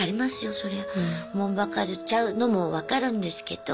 そりゃおもんぱかっちゃうのも分かるんですけど。